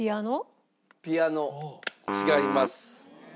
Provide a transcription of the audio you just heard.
ピアノ違います。